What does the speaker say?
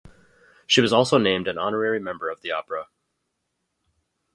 She was also named an honorary member of the opera.